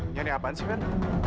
nyari apaan sih fer